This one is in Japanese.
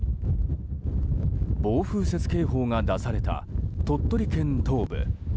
暴風雪警報が出された鳥取県東部。